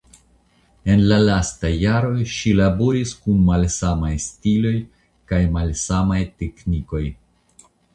En la lastaj jaroj ŝi laboris kun malsamaj stiloj kaj malsamaj teknikoj.